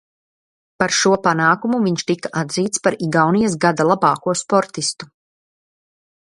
Par šo panākumu viņš tika atzīts par Igaunijas Gada labāko sportistu.